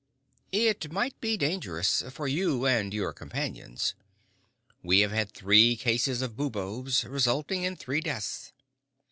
"It might be dangerous, for you and your companions. We have had three cases of buboes, resulting in three deaths.